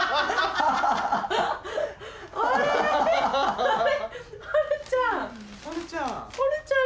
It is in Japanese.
あるちゃん！